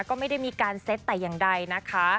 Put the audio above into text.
ก็ไม่ได้มีการเซ็ตแต่อย่างใดนะคะ